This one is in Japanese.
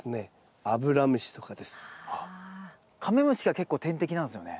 あっカメムシが結構天敵なんですよね。